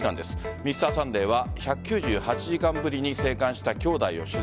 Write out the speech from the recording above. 「Ｍｒ．サンデー」は１９８時間ぶりに生還した兄弟を取材。